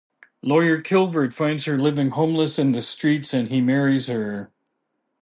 Lawyer Kilvert finds her living homeless in the streets and he marries her.